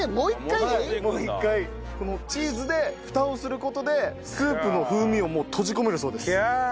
チーズでフタをする事でスープの風味をもう閉じ込めるそうです。